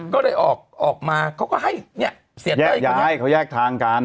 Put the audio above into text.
ก็เลยออกมาเขาก็ให้แยกทางกัน